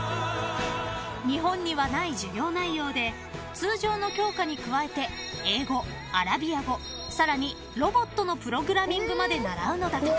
［日本にはない授業内容で通常の教科に加えて英語アラビア語さらにロボットのプログラミングまで習うのだとか］